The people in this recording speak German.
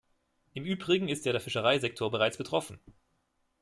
Im Übrigen ist ja der Fischereisektor bereits betroffen.